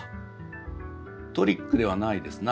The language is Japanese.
トリックではないですな。